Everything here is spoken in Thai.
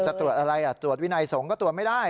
จะตรวจอะไรตรวจวินัยสงฆ์ก็ตรวจไม่ได้